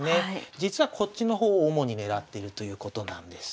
実はこっちの方を主に狙ってるということなんです。